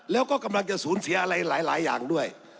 แล้วก็กำลังจะสูญเสียอะไรหลายอย่างด้วย